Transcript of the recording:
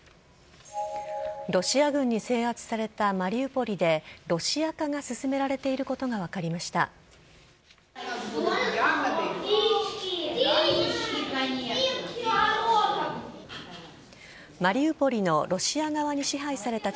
ロシア軍に制圧されたマリウポリでロシア化が進められていることが分かりました。